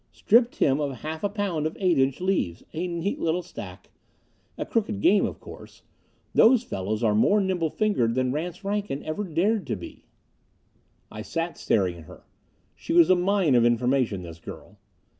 Stripped him of half a pound of eight inch leaves a neat little stack. A crooked game, of course. Those fellows are more nimble fingered than Rance Rankin ever dared to be!" I sat staring at her. She was a mine of information, this girl.